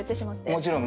もちろん。